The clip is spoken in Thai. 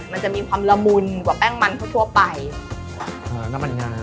มันจะมีความละมุนกว่าแป้งมันทั่วทั่วไปอ่าน้ำมันงา